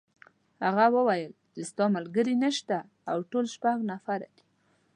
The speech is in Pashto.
هغه وویل چې ستا ملګري نشته او ټول شپږ نفره دي.